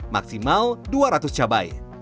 maksimal dua ratus cabai